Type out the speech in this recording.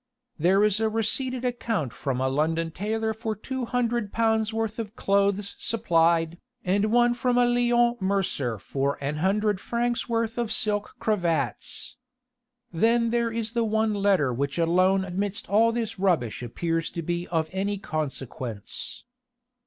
There is a receipted account from a London tailor for two hundred pounds' worth of clothes supplied, and one from a Lyons mercer for an hundred francs worth of silk cravats. Then there is the one letter which alone amidst all this rubbish appears to be of any consequence...."